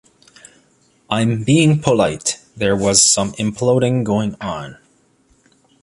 I'm being polite-there was some imploding going on.